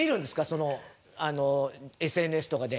そのＳＮＳとかで自分の。